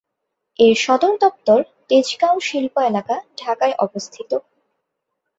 এর সদরদপ্তর তেজগাঁও শিল্প এলাকা, ঢাকায় অবস্থিত।